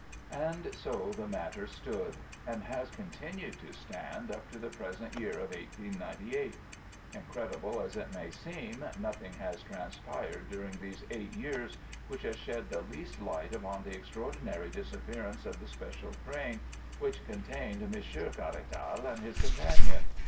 And so the matter stood, and has continued to stand up to the present year of 1898. Incredible as it may seem, nothing has transpired during these eight years which has shed the least light upon the extraordinary disappearance of the special train which contained Monsieur Caratal and his companion.